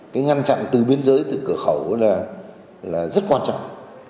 cái ngăn chặn từ biên giới từ cửa khẩu là rất quan trọng